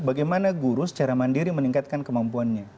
bagaimana guru secara mandiri meningkatkan kemampuannya